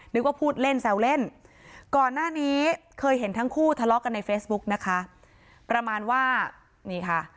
นึกว่าพูดเล่นแซวเล่นก่อนหน้านี้เคยเห็นทั้งคู่ทะเลาะกันในเฟซบุ๊กนะคะประมาณว่านี่ค่ะ